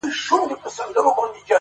مسجد دي هم خپل و; په درمسال دي وکړ